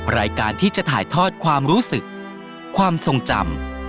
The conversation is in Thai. รายการที่จะถ่ายทอดความรู้สึกความทรงจำ